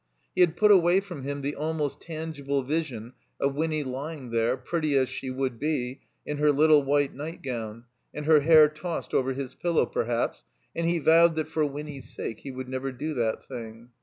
He had put away from him the almost tangible vision of Winny lying there, pretty as she would be, in her little white nightgown, and her hair tossed over his pillow, per haps, and he vowed that for Winny's sake he would never do that thing.